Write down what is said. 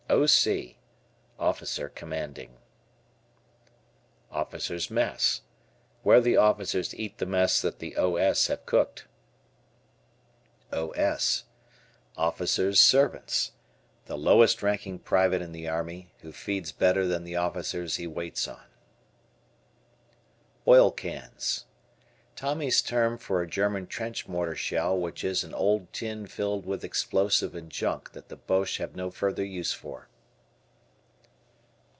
O. C. Officer commanding. Officers' Mess. Where the officers eat the mess that the O. S. have cooked. O. S. Officers' servants. The lowest ranking private in the Army, who feeds better than the officers he waits on. "Oil Cans." Tommy's term for a German trench mortar shell which is an old tin filled with explosive and junk that the Boches have no further use for.